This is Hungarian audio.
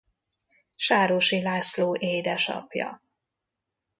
Sárosi László édesapja.